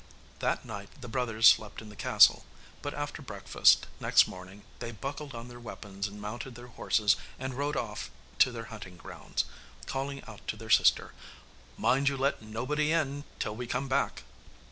That night the brothers slept in the castle, but after breakfast next morning they buckled on their weapons and mounted their horses, and rode off to their hunting grounds, calling out to their sister, 'Mind you let nobody in till we come back.